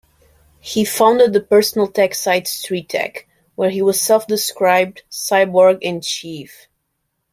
He founded the personal tech site, Street Tech, where he was self-described Cyborg-in-Chief.